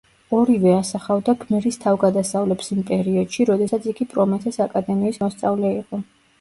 ორივე ასახავდა გმირის თავგადასავლებს იმ პერიოდში, როდესაც იგი პრომეთეს აკადემიის მოსწავლე იყო.